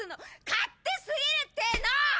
勝手すぎるてーの！